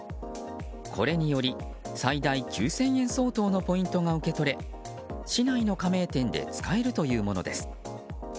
これにより最大９０００円相当のポイントが受け取れ市内の加盟店で使えるというものです。